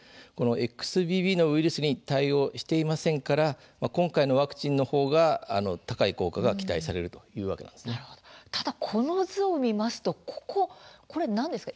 ＸＢＢのウイルスに対応していませんから今回のワクチンの方が高い効果が期待されるただ、この図を見ますとここ、これ何ですか？